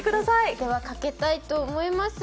では、かけたいと思います。